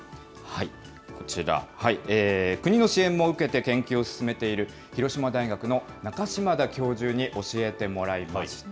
こちら、国の支援も受けて研究を進めている広島大学の中島田教授に教えてもらいました。